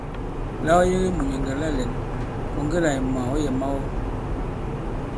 La ɔ yege mùnyɛ̀ŋgɛ̀ la lɛ̌n, kɔ̀ŋge là ìmwà ɔ̌ yɛ̀ mawɔ.